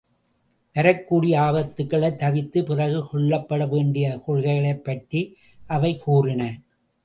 வரக்கூடிய ஆபத்துக்களை தவிர்த்து, பிறகு கொள்ளப்பட வேண்டிய கொள்கைகளைப் பற்றி அவை கூறின.